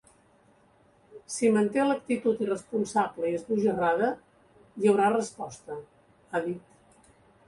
Si manté l’actitud irresponsable i esbojarrada, hi haurà resposta, ha dit.